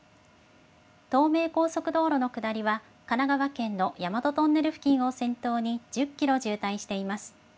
東名高速道路の下りは神奈川県の大和トンネル付近を先頭に１０キロ渋滞しています。